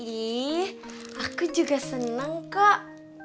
ih aku juga seneng kok